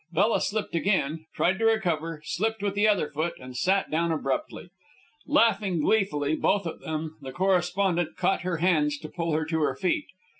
Bella slipped again, tried to recover, slipped with the other foot, and sat down abruptly. Laughing gleefully, both of them, the correspondent caught her hands to pull her to her feet.